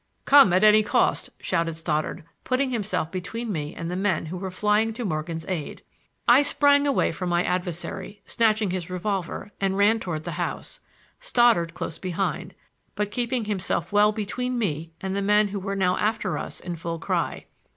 "Come on at any cost," shouted Stoddard, putting himself between me and the men who were flying to Morgan's aid. I sprang away from my adversary, snatching his revolver, and ran toward the house, Stoddard close behind, but keeping himself well between me and the men who were now after us in full cry.